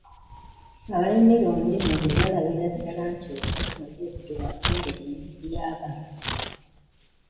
Abayunira omulimu gwo balabira ddala nti oliko amagezi ge wasondera ensi y’abamanyi.